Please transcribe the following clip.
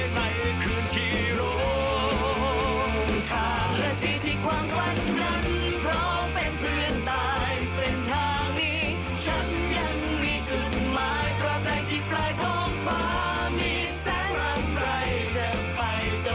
ฟ้ามีแสนลำไกลจะไปจนถึงแสนสุดท้าย